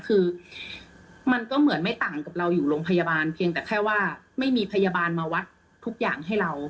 คือมันก็เหมือนไม่ต่างกับเราอยู่โรงพยาบาลเพียงแต่แค่ว่าไม่มีพยาบาลมาวัดทุกอย่างให้เรา